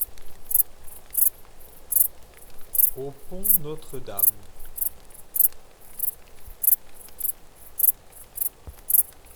Au pont Notre-Dame!